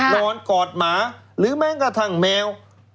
กอดหมาหรือแม้กระทั่งแมว